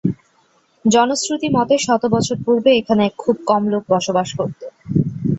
জনশ্রুতি মতে শত বছর পূর্বে এখানে খুব কম লোক বসবাস করত।